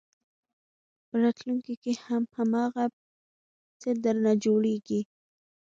په راتلونکي کې هم هماغه څه درنه جوړېږي.